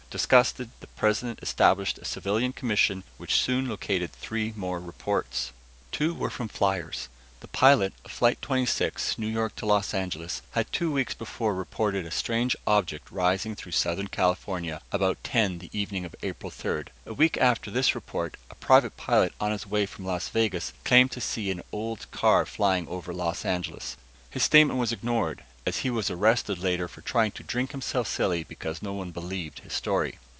Disgusted, the President established a civilian commission which soon located three more reports. Two were from fliers. The pilot of Flight 26, New York to Los Angeles, had two weeks before reported a strange object rising over Southern California about ten the evening of April 3rd. A week after this report, a private pilot on his way from Las Vegas claimed seeing an old car flying over Los Angeles. His statement was ignored, as he was arrested later while trying to drink himself silly because no one believed his story.